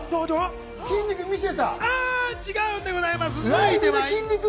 筋肉見せた！